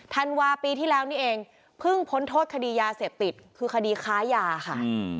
ธันวาปีที่แล้วนี่เองเพิ่งพ้นโทษคดียาเสพติดคือคดีค้ายาค่ะ